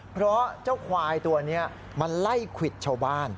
เพราะเจ้าควายตัวนี้มันไล่ควิดชาวบ้าน